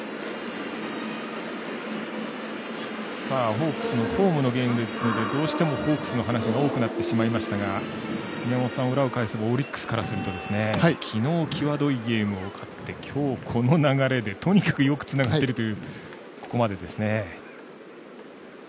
ホークスのホームのゲームですのでどうしてもホークスの話が多くなってしまいましたが宮本さん裏を返せばオリックスからすると昨日きわどいゲームを勝って今日、この流れでとにかくよくつながってるというここまでですね。